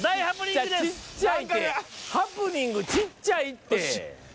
ハプニングちっちゃいって。